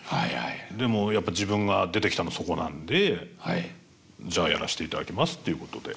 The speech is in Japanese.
でもやっぱ自分が出てきたのそこなんでじゃあやらしていただきますっていうことで。